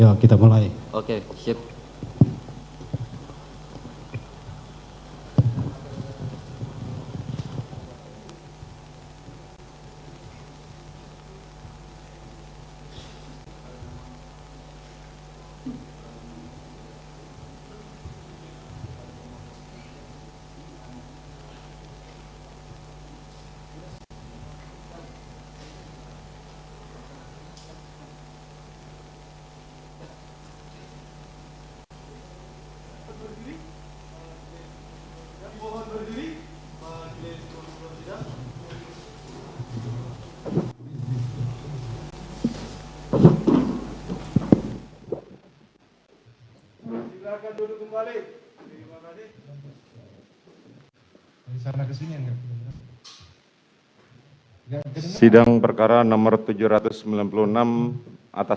mas itu kalau dinaikin nanti